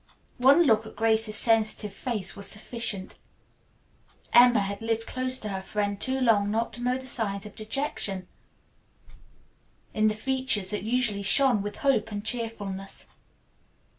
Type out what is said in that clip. One look at Grace's sensitive face was sufficient. Emma had lived close to her friend too long not to know the signs of dejection in the features that usually shone with hope and cheerfulness.